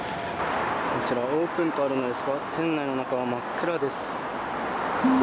こちら、オープンとあるのですが店内の中は真っ暗です。